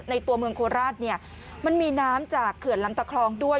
ตัวเมืองโคราชเนี่ยมันมีน้ำจากเขื่อนลำตะคลองด้วย